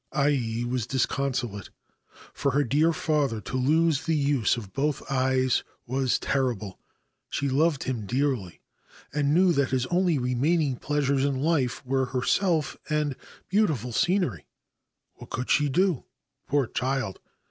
Ai was disconsolate. For her dear father to lose the use of both eyes was terrible. She loved him dearly, and knew that his only remaining pleasures in life were herself and beautiful scenery> What could she do, poor child